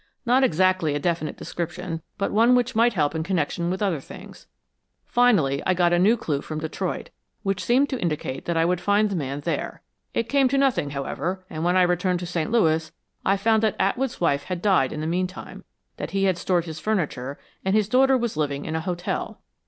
Not exactly a definite description, but one which might help in connection with other things. Finally, I got a new clue from Detroit, which seemed to indicate that I would find the man there. It came to nothing, however, and when I returned to St. Louis I found that Atwood's wife had died in the meantime that he had stored his furniture, and his daughter was living in an hotel.